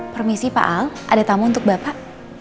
permisi pak al ada tamu untuk bapak